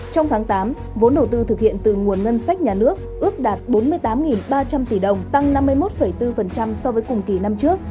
trong tháng tám vốn đầu tư thực hiện từ nguồn ngân sách nhà nước ước đạt bốn mươi tám ba trăm linh tỷ đồng tăng năm mươi một bốn so với cùng kỳ năm trước